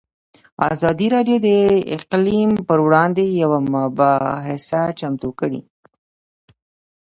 ازادي راډیو د اقلیم پر وړاندې یوه مباحثه چمتو کړې.